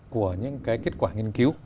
của những cái kết quả nghiên cứu